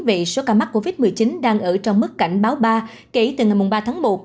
vì số ca mắc covid một mươi chín đang ở trong mức cảnh báo ba kể từ ngày ba tháng một